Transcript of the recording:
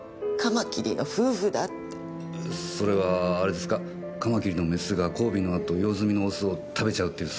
それはあれですかカマキリのメスが交尾の後用済みのオスを食べちゃうってそういう。